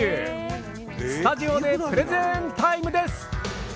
スタジオでプレゼンタイムです！